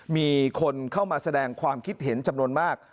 มีคนเข้ามาแสดงความคิดเห็นจำนวนมาก